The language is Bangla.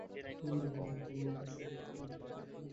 কমল বোস সর্বাধিক পাঁচবার এই পুরস্কার অর্জন করেছেন।